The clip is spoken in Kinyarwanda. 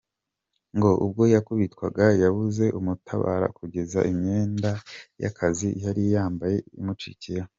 Ngo ubwo yakubitwaga yabuze umutabara kugeza imyenda y’akazi yari yambaye imucikiyeho.